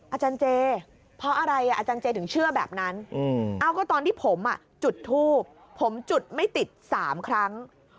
อาจารย์เจเพราะอะไรอาจารย์เจถึงเชื่อแบบนั้น